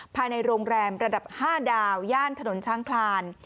ภายในโรงแรมระดับ๕ดาวย่านถนนช้างคลาน